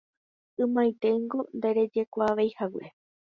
ymaiténgo nderejekuaaveihague.